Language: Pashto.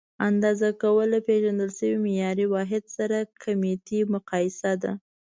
اندازه کول له پیژندل شوي معیاري واحد سره کمیتي مقایسه ده.